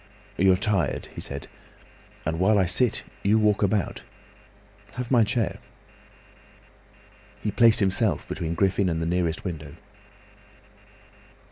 "You are tired," he said, "and while I sit, you walk about. Have my chair." He placed himself between Griffin and the nearest window.